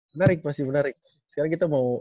menarik masih menarik sekarang kita mau